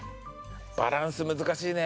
バランス難しいね。